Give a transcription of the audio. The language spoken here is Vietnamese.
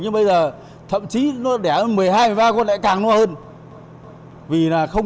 nhưng bây giờ thậm chí